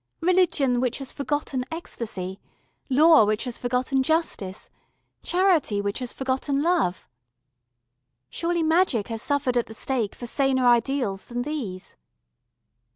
Religion which has forgotten ecstasy.... Law which has forgotten justice.... Charity which has forgotten love.... Surely magic has suffered at the stake for saner ideals than these?"